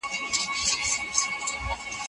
شاه محمود د پښتنو د ویاړ او مېړانې یو ښه مثال دی.